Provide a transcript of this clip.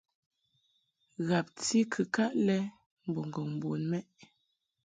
Ghabti kɨkaʼ lɛ mbo ŋgɔŋ bun mɛʼ.